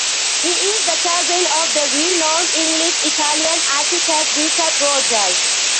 He is the cousin of the renowned English-Italian architect Richard Rogers.